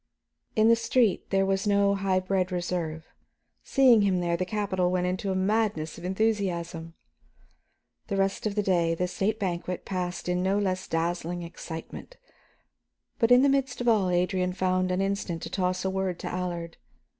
In the streets there was no high bred reserve; seeing him there, the capital went into a madness of enthusiasm. The rest of the day, the state banquet, passed in no less dazzling excitement. But in the midst of all Adrian found an instant to toss a word to Allard.